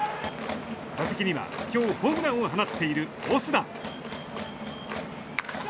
打席には今日ホームランを放っているオスナ。